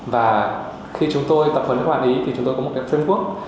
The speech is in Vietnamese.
và khi chúng tôi tập huấn các bạn ý thì chúng tôi có một framework